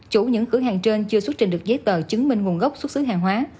chủ những cửa hàng trên chưa xuất trình được giấy tờ chứng minh nguồn gốc xuất xứ hàng hóa